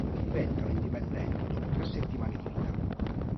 Diventano indipendenti dopo tre settimane di vita.